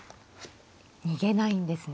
逃げないんですね。